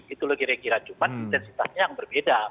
itu lo kira kira cuma intensitasnya yang berbeda